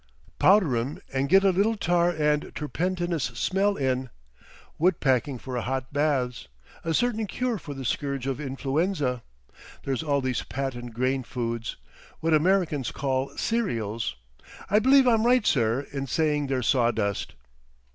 Powder'em and get a little tar and turpentinous smell in,—wood packing for hot baths—a Certain Cure for the scourge of Influenza! There's all these patent grain foods,—what Americans call cereals. I believe I'm right, sir, in saying they're sawdust."